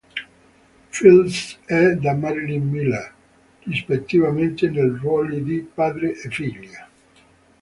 Fields e da Marilyn Miller, rispettivamente nei ruoli di padre e figlia.